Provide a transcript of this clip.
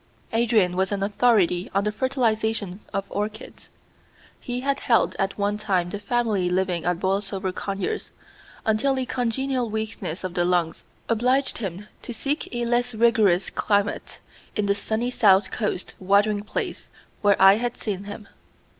Adrian was an authority on the fertilization of orchids. He had held at one time the family living at Borlsover Conyers, until a congenital weakness of the lungs obliged him to seek a less rigorous climate in the sunny south coast watering place where I had seen him.